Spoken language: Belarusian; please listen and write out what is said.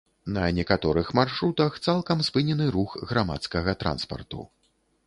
На некаторых маршрутах цалкам спынены рух грамадскага транспарту.